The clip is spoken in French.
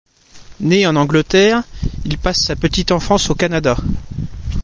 Né en Angleterre, il passe sa petite enfance au Canada.